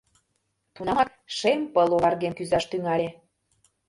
Тунамак шем пыл оварген кӱзаш тӱҥале.